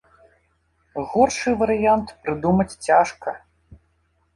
Горшы варыянт прыдумаць цяжка.